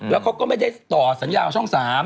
แล้วเขาก็ไม่ได้ต่อสัญญาช่อง๓